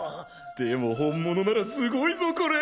でも本物ならすごいぞこれ。